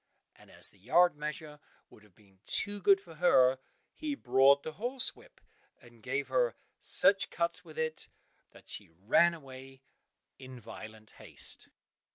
And as the yard measure would have been too good for her, he brought the horsewhip, and gave her such cuts with it that she ran away in violent haste.